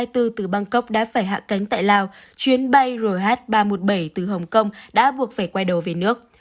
từ bangkok đã phải hạ cánh tại lào chuyến bay rh ba trăm một mươi bảy từ hồng kông đã buộc phải quay đầu về nước